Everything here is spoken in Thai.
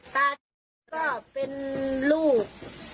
แต่ก็เป็นลูก